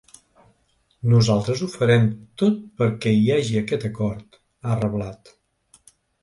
Nosaltres ho farem tot perquè hi hagi aquest acord, ha reblat.